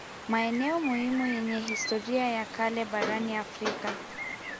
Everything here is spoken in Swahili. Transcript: Maeneo muhimu yenye historia ya kale barani Afrika